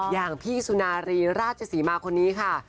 อย่างพี่สุนารีราชศรีมาคนนี้ค่ะ